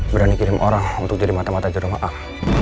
berani kirim orang untuk jadi mata mata jodoh ma'am